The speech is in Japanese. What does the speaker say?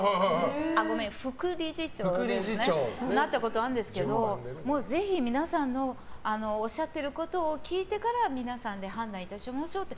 あ、ごめん、副理事長になったことあるんですけどぜひ皆さんのおっしゃっていることを聞いてから皆さんで判断いたしましょうって。